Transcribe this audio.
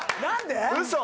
何で？